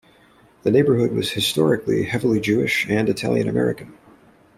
The neighborhood was historically heavily Jewish and Italian-American.